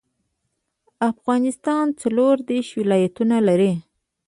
افغانستان څلوردیش ولایتونه لري.